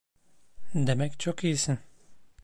Demek çok iyisin!